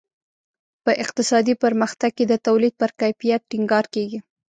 په اقتصادي پرمختګ کې د تولید پر کیفیت ټینګار کیږي.